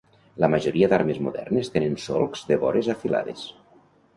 La majoria d'armes modernes tenen solcs de vores afilades.